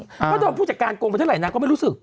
เพราะโดนผู้จัดการโกงไปเท่าไหร่นางก็ไม่รู้สึก